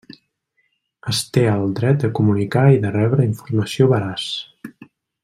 Es té el dret de comunicar i de rebre informació veraç.